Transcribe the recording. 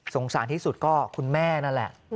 สารที่สุดก็คุณแม่นั่นแหละ